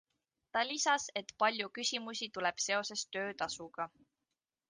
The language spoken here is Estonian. Ta lisas, et palju küsimusi tuleb seoses töötasuga.